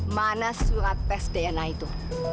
mana surat tes dna itu